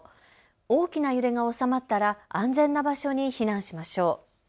大きな揺れが収まったら安全な場所に避難しましょう。